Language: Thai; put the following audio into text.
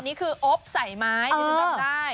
อันนี้คือโอ๊บใส่ไม้ที่ซึ่งต้องได้